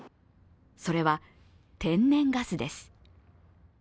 それは天然ガスです。